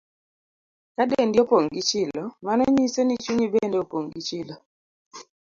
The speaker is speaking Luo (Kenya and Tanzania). Ka dendi opong' gi chilo, mano nyiso ni chunyi bende opong' gi chilo.